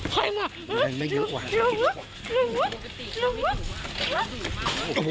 เสียขี่โดนราว